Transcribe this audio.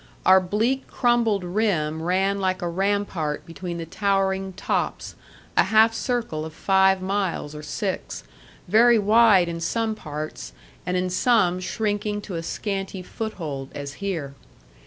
Our bleak, crumbled rim ran like a rampart between the towering tops, a half circle of five miles or six, very wide in some parts, and in some shrinking to a scanty foothold, as here.